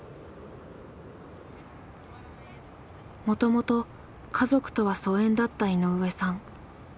もともと家族とは疎遠だった井上さん。